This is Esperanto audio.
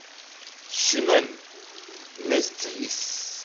Ŝi mem ne sciis.